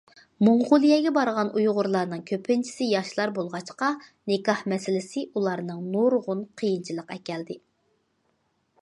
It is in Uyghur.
موڭغۇلىيەگە بارغان ئۇيغۇرلارنىڭ كۆپىنچىسى ياشلار بولغاچقا نىكاھ مەسىلىسى ئۇلارنىڭ نۇرغۇن قىيىنچىلىق ئەكەلدى.